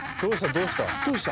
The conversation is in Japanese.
どうした？